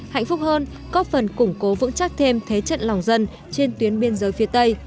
hạnh phúc hơn có phần củng cố vững chắc thêm thế trận lòng dân trên tuyến biên giới phía tây